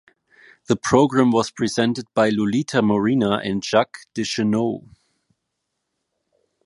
The program was presented by Lolita Morena and Jacques Deschenaux.